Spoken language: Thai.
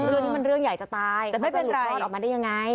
เพราะเรื่องนี้มันเรื่องใหญ่จะตาย